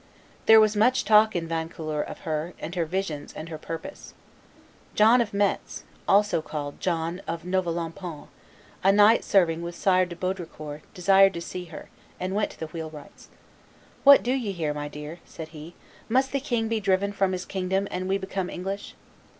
There was much talk in Vaucouleurs of her, and her visions, and her purpose. John of Metz [also called John of Novelompont], a knight serving with Sire de Baudricourt, desired to see her, and went to the wheelwright's. "What do you here, my dear?" said he; "must the king be driven from his kingdom, and we become English?"